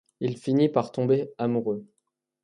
Il finit par tomber amoureux.